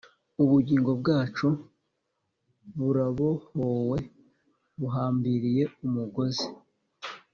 ubugingo bwacu burabohowe, buhambiriye umugozi;